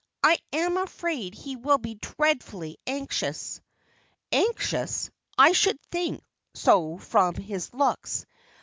I am afraid he will be dreadfully anxious." "Anxious! I should think so from his looks.